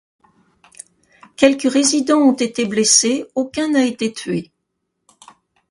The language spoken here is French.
Quelques résidents ont été blessés, aucun n'a été tué.